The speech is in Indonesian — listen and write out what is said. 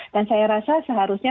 dan saya rasa seharusnya